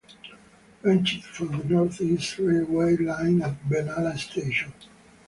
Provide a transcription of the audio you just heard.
Branched from the North East railway line at Benalla Station